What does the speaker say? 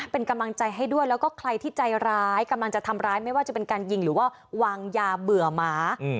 เป็นกำลังใจให้ด้วยแล้วก็ใครที่ใจร้ายกำลังจะทำร้ายไม่ว่าจะเป็นการยิงหรือว่าวางยาเบื่อหมา